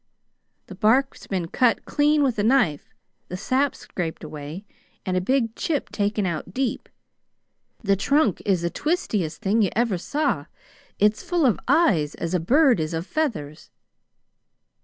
"The bark's been cut clean with a knife, the sap scraped away, and a big chip taken out deep. The trunk is the twistiest thing you ever saw. It's full of eyes as a bird is of feathers!"